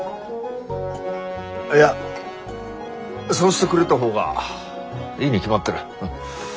いやそうしてくれた方がいいに決まってる。